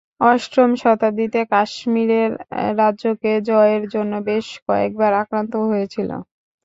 অষ্টম শতাব্দীতে, কাশ্মীরের রাজ্যকে জয়ের জন্য বেশ কয়েকবার আক্রান্ত হয়েছিল।